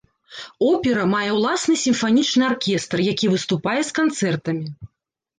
Опера мае ўласны сімфанічны аркестр, які выступае з канцэртамі.